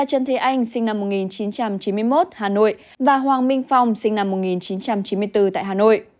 trần thế anh sinh năm một nghìn chín trăm chín mươi một hà nội và hoàng minh phong sinh năm một nghìn chín trăm chín mươi bốn tại hà nội